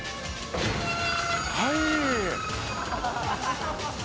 「はい！」